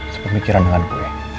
sepemikiran dengan gue